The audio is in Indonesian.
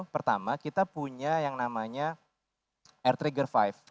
pertama kita punya yang namanya air trigger lima